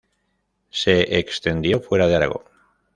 Se extendió fuera de Aragón.